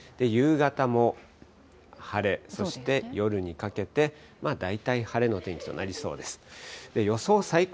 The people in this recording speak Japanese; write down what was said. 夕方も晴れ、そして夜にかけて大体晴れの天気となりそうです。